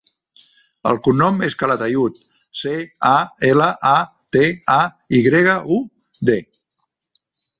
El cognom és Calatayud: ce, a, ela, a, te, a, i grega, u, de.